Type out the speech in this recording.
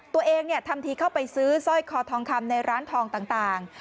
ตัวเองทำทีเข้าไปซื้อสร้อยคอทองคำในร้านทองต่าง